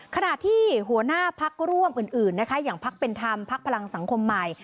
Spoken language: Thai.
ขณะที่หัวหน้าพรรคร่วมอื่นอย่างพรรคเป็นธรรมพรรคพลังสังคมใหม่